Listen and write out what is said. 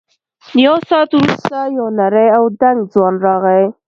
یو ساعت وروسته یو نری او دنګ ځوان راغی.